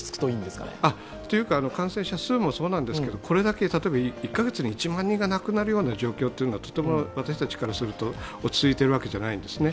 感染者数もそうなんですけど、これだけ１か月に１万人も亡くなるという状況はとても私たちからすると落ち着いているわけではないんですね。